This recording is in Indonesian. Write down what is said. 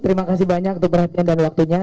terima kasih banyak untuk perhatian dan waktunya